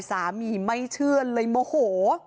สามีไม่เชื่อเลยโมโห